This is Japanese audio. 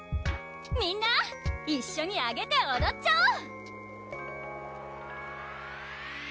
みんな一緒にアゲておどっちゃおう！